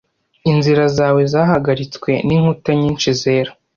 inzira zawe zahagaritswe n'inkuta nyinshi zera